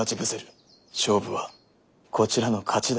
勝負はこちらの勝ちだ。